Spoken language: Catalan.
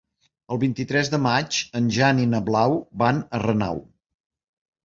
El vint-i-tres de maig en Jan i na Blau van a Renau.